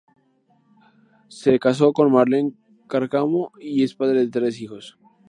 Se casó con Marlene Cárcamo y es padre de tres hijos.